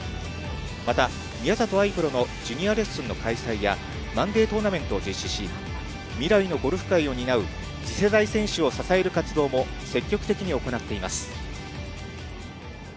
また、宮里藍プロのジュニアレッスンの開催や、マンデートーナメントを実施し、未来のゴルフ界を担う次世代選手を支える活動も、積極的に行っています。